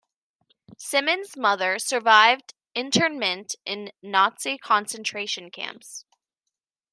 Simmons' mother survived internment in Nazi concentration camps.